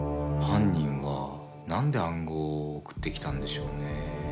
犯人は何で暗号を送ってきたんでしょうね？